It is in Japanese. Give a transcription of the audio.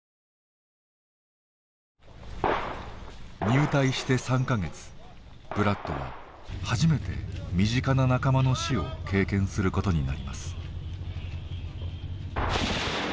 入隊して３か月ブラッドは初めて身近な仲間の死を経験することになります。